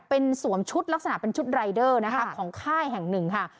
เป็นสวมชุดลักษณะเป็นชุดรายเดอร์นะคะของค่ายแห่งหนึ่งค่ะ